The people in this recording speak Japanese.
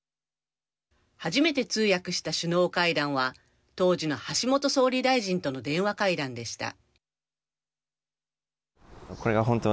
初めて通訳した首脳会談は当時の橋本総理大臣との電話会談でした。